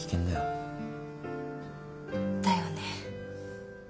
だよね。